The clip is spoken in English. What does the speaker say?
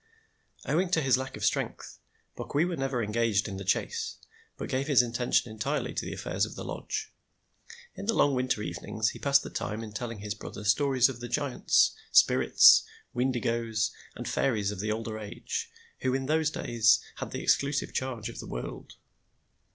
Owing to his lack of strength, Bokwewa never engaged in the chase but gave his attention entirely to the affairs of the lodge. In the long winter evenings he passed the time in telling his brother stories of the giants, spirits, weendigoes, and fairies of the older age, who in those days had the exclusive charge of the world.